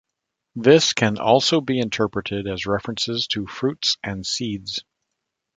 This can also be interpreted as references to fruits and seeds.